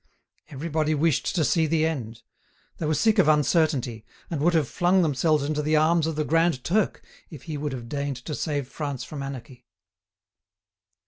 Everybody wished to see the end. They were sick of uncertainty, and would have flung themselves into the arms of the Grand Turk, if he would have deigned to save France from anarchy.